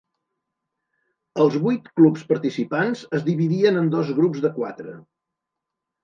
Els vuit clubs participants es dividien en dos grups de quatre.